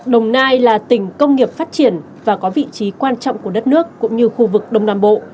đồng nai là tỉnh công nghiệp phát triển và có vị trí quan trọng của đất nước cũng như khu vực đông nam bộ